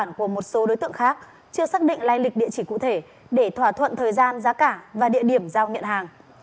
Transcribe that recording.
các đối tượng đã làm giả của một số đối tượng khác chưa xác định lai lịch địa chỉ cụ thể để thỏa thuận thời gian giá cả và địa điểm giao nhận hàng